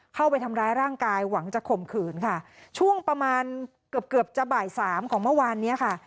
เข้าไปทำร้ายร่างกายหวังจะข่มขืนค่ะช่วงประมาณเกือบเกือบจะบ่ายสามของเมื่อวานเนี้ยค่ะ